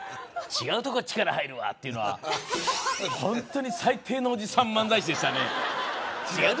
「違うとこ力入るわ」っていうのはホントに最低のおじさん漫才師でしたね